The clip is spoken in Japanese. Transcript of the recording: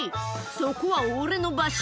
そこは俺の場所